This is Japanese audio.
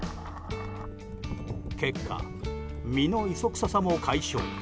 結果、身の磯くささも解消。